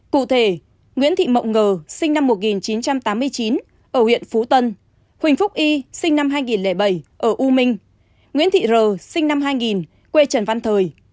cụ thể nguyễn thị mộng ngờ sinh năm một nghìn chín trăm tám mươi chín ở huyện phú tân huỳnh phúc y sinh năm hai nghìn bảy ở u minh nguyễn thị r sinh năm hai nghìn quê trần văn thời